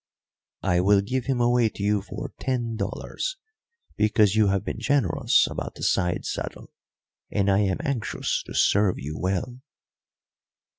I will give him away to you for ten dollars, because you have been generous about the side saddle, and I am anxious to serve you well."